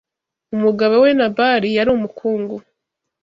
Umugabo we Nabali yari umukungu.